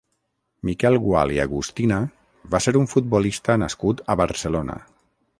Miquel Gual i Agustina va ser un futbolista nascut a Barcelona.